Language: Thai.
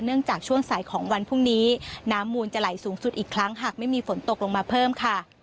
จากช่วงสายของวันพรุ่งนี้น้ำมูลจะไหลสูงสุดอีกครั้งหากไม่มีฝนตกลงมาเพิ่มค่ะ